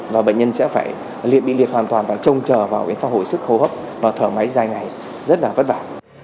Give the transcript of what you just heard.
và bệnh nhân sẽ phải liệt bị liệt hoàn toàn và trông chờ vào hồi sức hô hấp và thở máy dài ngày rất là vất vả